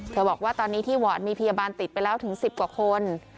บอกว่าตอนนี้ที่วอร์ดมีพยาบาลติดไปแล้วถึง๑๐กว่าคน